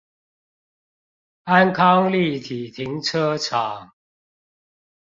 安康立體停車場